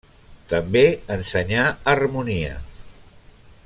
També ensenyà harmonia.